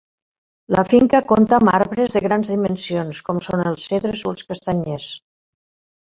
La finca compta amb arbres de grans dimensions com són els cedres o els castanyers.